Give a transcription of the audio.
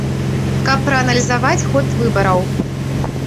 Каб прааналізаваць ход выбараў.